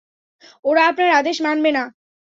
ওরা আপনার আদেশ মানবে না।